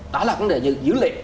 đó là vấn đề như dữ liệu